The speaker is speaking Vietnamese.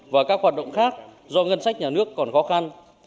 và các hoạt động khác do ngân sách nhà nước còn khó khăn